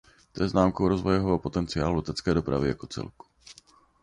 To je známkou rozvojového potenciálu letecké dopravy jako celku.